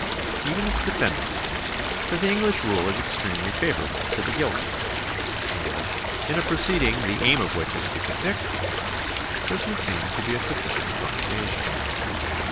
Even its defenders admit that the English rule is extremely favourable to the guilty, and in a proceeding the aim of which is to convict the guilty, this would seem to be a sufficient condemnation.